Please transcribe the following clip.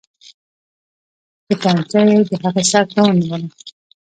توپنچه یې د هغه سر ته ونیوله.